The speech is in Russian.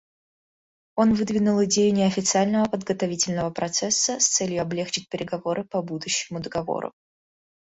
Он выдвинул идею неофициального подготовительного процесса с целью облегчить переговоры по будущему договору.